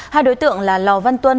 hai đối tượng là lò văn tuân